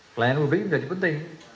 pelayanan publik menjadi penting